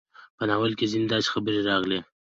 په ناول کې ځينې داسې خبرې راغلې